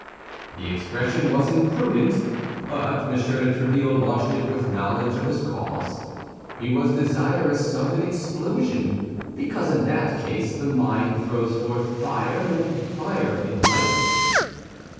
The expression was imprudent; but M. de Tréville launched it with knowledge of his cause. He was desirous of an explosion, because in that case the mine throws forth fire, and fire enlightens.